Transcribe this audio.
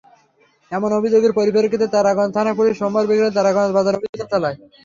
এমন অভিযোগের পরিপ্রেক্ষিতে তারাগঞ্জ থানার পুলিশ সোমবার বিকেলে তারাগঞ্জ বাজারে অভিযান চালায়।